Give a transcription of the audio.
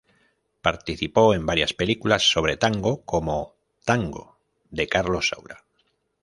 Participó en varias películas sobre tango como "Tango" de Carlos Saura.